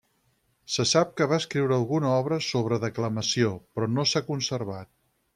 Se sap que va escriure alguna obra sobre declamació però no s'ha conservat.